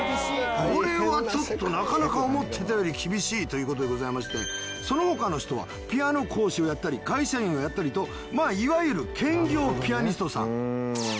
これはちょっとなかなか思ってたより厳しいという事でございましてその他の人はピアノ講師をやったり会社員をやったりとまあいわゆる兼業ピアニストさん。